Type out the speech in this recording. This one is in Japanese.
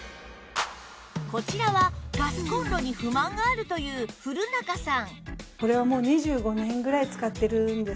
こちらはガスコンロに不満があるという古仲さん